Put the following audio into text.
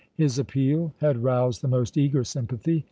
His appeal had roused the most eager sympathy.